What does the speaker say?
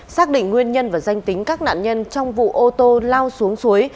xác định nguyên nhân và danh tính các nạn nhân trong vụ ô tô lao xuống suối